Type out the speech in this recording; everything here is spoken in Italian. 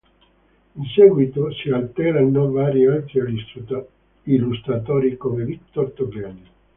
In seguito si alterneranno vari altri illustratori, come Victor Togliani.